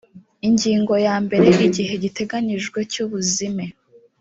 ingingo ya mbere igihe giteganyijwe cy ubuzime